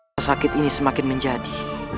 kesakit ini semakin menjadi